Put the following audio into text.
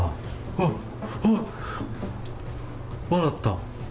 わっ、笑った。